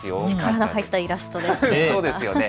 力の入ったイラストですね。